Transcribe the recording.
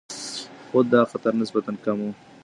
خو دا خطر نسبتاً کم وي.